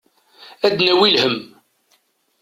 Ad d-nawi lhemm.